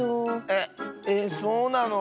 えっえそうなの？